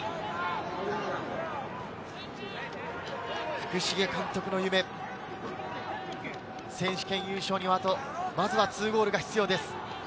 福重監督の夢、選手権優勝にはまずは２ゴールが必要です。